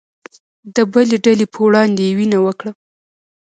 د بلې ډلې په وړاندې يې وينه وکړه